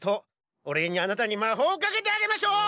お礼にあなたに魔法をかけてあげましょう！